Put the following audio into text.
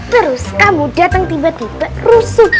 terus kamu datang tiba tiba rusuh